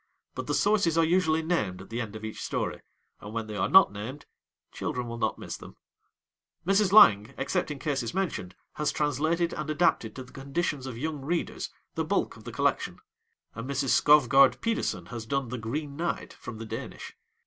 But the sources are usually named at the end of each story, and when they are not named children will not miss them. Mrs. Lang, except in cases mentioned, has translated and adapted to the conditions of young readers the bulk of the collection, and Mrs. Skovgaard Pedersen has done 'The Green Knight' from the Danish.